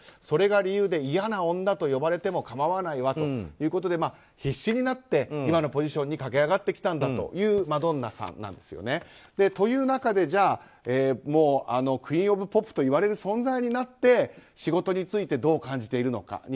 それが理由でいやな女と呼ばれても構わないわということで必死になって今のポジションに駆け上がってきたんだというマドンナさんなんですよね。という中で、クイーン・オブ・ポップと呼ばれる存在になって仕事についてどう感じているのか。